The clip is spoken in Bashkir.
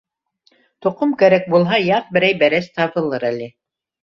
Тоҡом кәрәк булһа, яҙ берәй бәрәс табылыр әле.